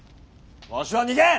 わしは逃げん！